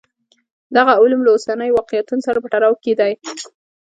دغه علوم له اوسنیو واقعیتونو سره په تړاو کې دي.